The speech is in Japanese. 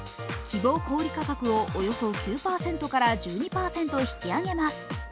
希望小売価格をおよそ９％から１２％引き上げます。